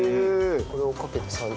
これをかけて３０分。